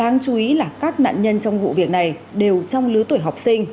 nạn nhân trong vụ việc này đều trong lứa tuổi học sinh